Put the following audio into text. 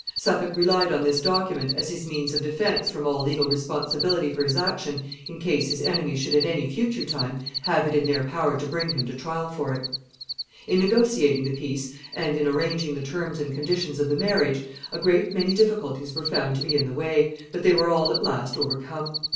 Suffolk relied on this document as his means of defense from all legal responsibility for his action in case his enemies should at any future time have it in their power to bring him to trial for it. [Sidenote: Various difficulties and objections.] In negotiating the peace, and in arranging the terms and conditions of the marriage, a great many difficulties were found to be in the way, but they were all at last overcome.